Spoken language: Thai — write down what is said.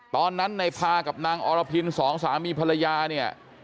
ตอนนั้นในพากับนางอรพินสองสามีภรรยาเนี่ย